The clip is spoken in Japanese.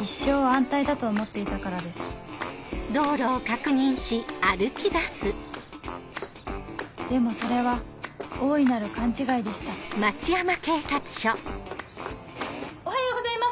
一生安泰だと思っていたからですでもそれは大いなる勘違いでしたおはようございます！